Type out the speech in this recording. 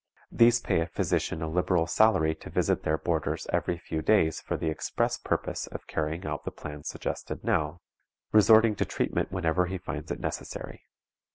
These pay a physician a liberal salary to visit their boarders every few days for the express purpose of carrying out the plan suggested now; resorting to treatment whenever he finds it necessary.